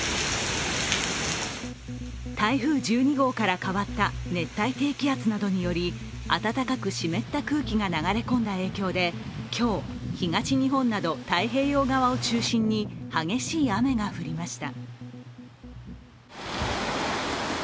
台風１２号から変わった熱帯低気圧などにより暖かく湿った空気が流れ込んだ影響で今日、東日本など太平洋側を中心に激しい雨が降りました。